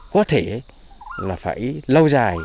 có thể là phải lâu dài